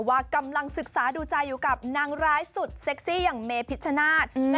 ว่ากำลังศึกษาดูใจอยู่กับนางร้ายสุดเซ็กซี่อย่างเมพิชชนาธิ์